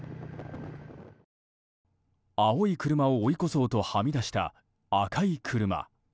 青い車を追い越そうとはみ出した赤い車。